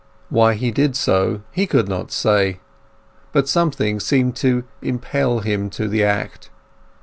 Why he did so he could not say, but something seemed to impel him to the act.